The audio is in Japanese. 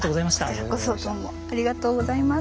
こちらこそどうもありがとうございます。